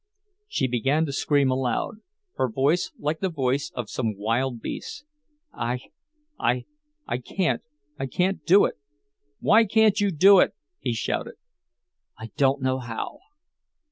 She began to scream aloud, her voice like the voice of some wild beast: "Ah! Ah! I can't! I can't do it!" "Why can't you do it?" he shouted. "I don't know how!"